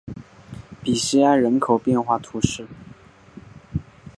比西埃人口变化图示